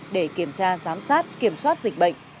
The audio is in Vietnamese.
để kiểm tra giám sát kiểm soát dịch bệnh